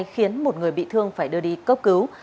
khiến một người bị thương phải đưa đi cấp cứu